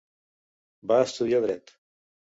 Va estudiar dret.